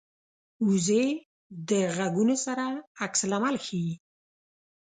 وزې د غږونو سره عکس العمل ښيي